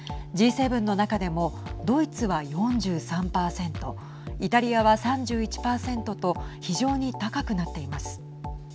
Ｇ７の中でもドイツは４３％イタリアは３１％と非常に高くなっています。